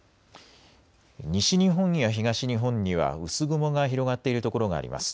西日本や東日本には薄雲が広がっている所があります。